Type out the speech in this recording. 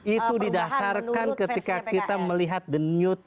itu didasarkan ketika kita melihat the newt